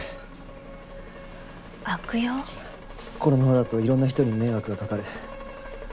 このままだといろんな人に迷惑がかかる。